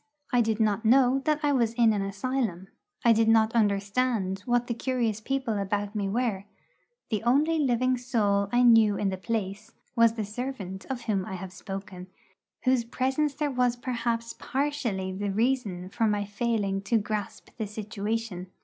I did not know that I was in an asylum; I did not understand what the curious people about me were; the only living soul I knew in the place was the servant of whom I have spoken, whose presence there was perhaps partially the reason for my failing to grasp the situation.